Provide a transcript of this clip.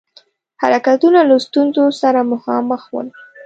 حرکتونه له ستونزو سره مخامخ ول.